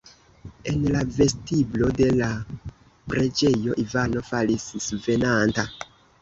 En la vestiblo de la preĝejo Ivano falis svenanta.